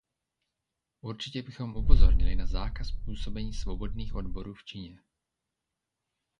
Určitě bychom upozornili na zákaz působení svobodných odborů v Číně.